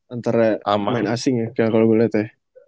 antara pemain asing ya kayak kalo gue liat ya